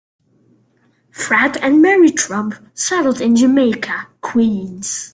Fred and Mary Trump settled in Jamaica, Queens.